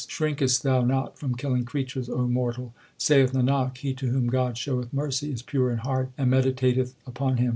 Shrinkest thou not from killing creatures, 1 O mortal ? Saith Nanak, he to whom God showeth mercy Is pure in heart and meditateth upon Him.